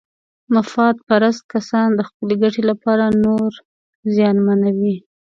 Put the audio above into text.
مفاد پرست کسان د خپلې ګټې لپاره نور زیانمنوي.